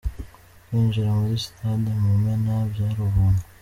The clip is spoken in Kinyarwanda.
Kwinjira muri sitade Mumena byari ubuntu.